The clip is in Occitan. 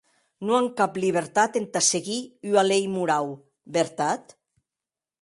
Non an cap libertat entà seguir ua lei morau, vertat?